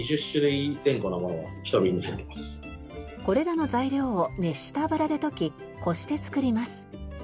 これらの材料を熱した油で溶きこして作ります。